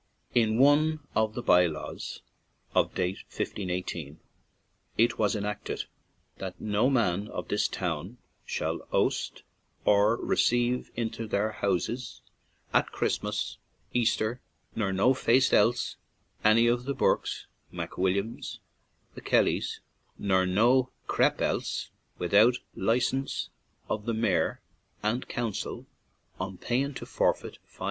In one of the by laws, of date of 1 51 8, it is enacted "that no man of this towne shall oste or receive into their housses at Christe mas, Easter, nor no feaste elles, any of the Burkes, MacWilliams, the Kellies, nor no cepte elles, withoute license of the mayor and councill, on payn to forfeit 5Z.